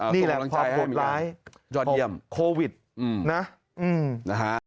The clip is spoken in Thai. นี่แหละความขวดร้ายของโควิด๑๙นะฮะ